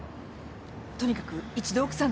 とにかく一度奥さんと。